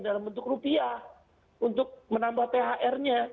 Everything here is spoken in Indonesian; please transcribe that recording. dalam bentuk rupiah untuk menambah thr nya